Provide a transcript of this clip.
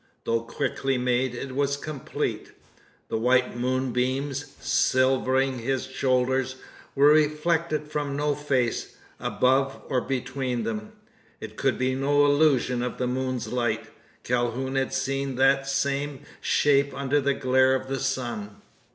Though quickly made, it was complete. The white moon beams, silvering his shoulders, were reflected from no face, above or between them! It could be no illusion of the moon's light. Calhoun had seen that same shape under the glare of the sun.